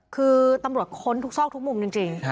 คือตำรวจค้นทุกซอกทุกมุมจริง